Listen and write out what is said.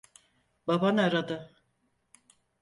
Baban aradı.